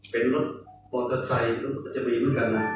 เป็นรถมอเตอร์ไซค์รถก็จะมีเหมือนกันนะ